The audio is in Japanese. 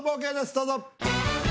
どうぞ。